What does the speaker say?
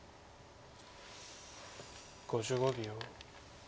５５秒。